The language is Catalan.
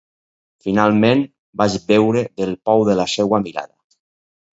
Finalment, vaig beure del pou de la seua mirada.